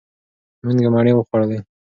مونږه مڼې وخوړلې.